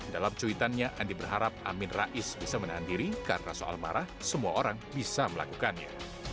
dalam cuitannya andi berharap amin rais bisa menahan diri karena soal marah semua orang bisa melakukannya